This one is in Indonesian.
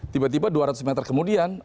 tiba tiba dua ratus meter kemudian